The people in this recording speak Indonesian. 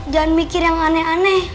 jangan mikir yang aneh aneh